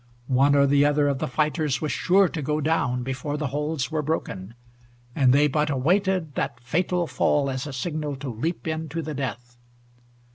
One or the other of the fighters was sure to go down before the holds were broken, and they but awaited that fatal fall as a signal to leap in to the death.